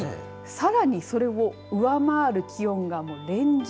さらにそれを上回る気温が連日。